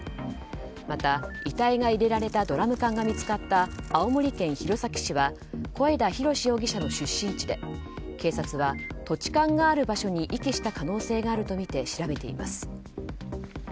また、遺体が入れられたドラム缶が見つかった青森県弘前市は小枝浩志容疑者の出身地で警察は、土地勘がある場所に遺棄した可能性があるとみて調べています。